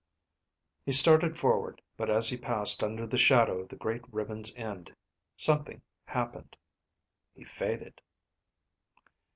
He started forward, but as he passed under the shadow of the great ribbon's end, something happened. He faded.